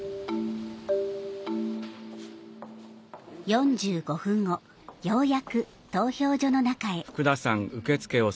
４５分後ようやく、投票所の中へ。